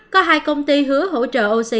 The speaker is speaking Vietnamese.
có hai công ty hứa hỗ trợ oxy